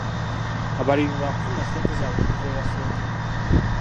Abalimi baakufuna ssente zaabwe okuva ewa ssentebe.